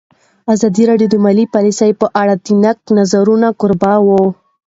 ازادي راډیو د مالي پالیسي په اړه د نقدي نظرونو کوربه وه.